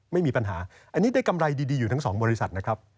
ไม่มีปัญหาอันนี้ได้กำไรดีอยู่ทั้งสองบริษัทนะครับ